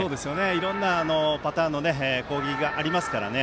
いろんなパターンの攻撃がありますからね。